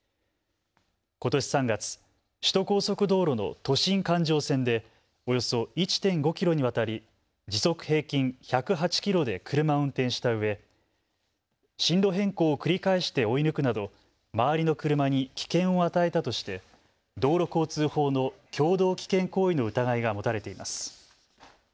ことし３月、首都高速道路の都心環状線でおよそ１．５キロにわたり時速平均１０８キロで車を運転したうえ、進路変更を繰り返して追い抜くなど周りの車に危険を与えたとして道路交通法の共同危険行為の疑いが持たれています。